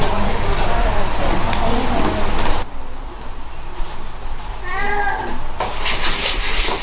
กินให้มีความสะอาด